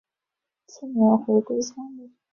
次年回归乡里。